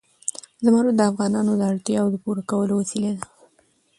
زمرد د افغانانو د اړتیاوو د پوره کولو وسیله ده.